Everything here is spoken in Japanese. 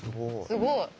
すごい。